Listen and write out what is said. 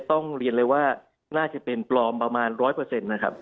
ต้องเรียนเลยว่าน่าจะเป็นปลอมประมาณร้อยเปอร์เซ็นต์นะครับ